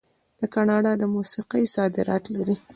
د کاناډا موسیقي صادرات لري.